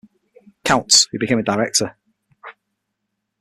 Coutts, who became a director.